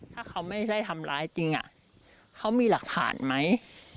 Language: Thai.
ถ้าเขาไม่ได้ทำร้ายจริงเขามีหลักฐานไหม